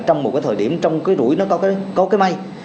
trong một cái thời điểm trong cái rụi nó có cái may